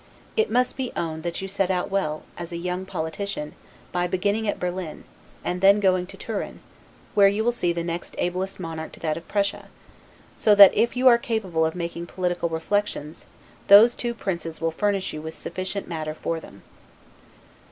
It must be owned that you set out well, as a young politician, by beginning at Berlin, and then going to Turin, where you will see the next ablest monarch to that of Prussia; so that, if you are capable of making political reflections, those two princes will furnish you with sufficient matter for them.